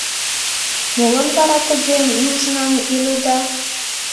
Молан вара тыге нужнан иледа?